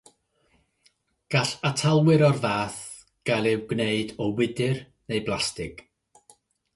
Gall atalwyr o'r fath gael eu gwneud o wydr neu blastig.